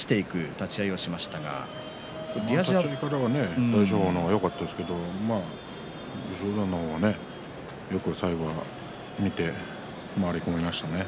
立ち合いは大翔鵬の方がよかったですけれども武将山がよく見て回り込みましたね。